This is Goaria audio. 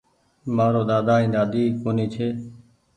مآرو ۮاۮا ائين ۮاۮي ڪونيٚ ڇي